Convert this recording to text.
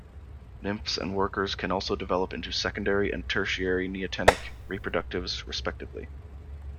Nymphs and workers can also develop into secondary and tertiary neotenic reproductives respectively.